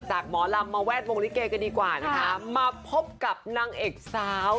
หมอลำมาแวดวงลิเกกันดีกว่านะคะมาพบกับนางเอกสาว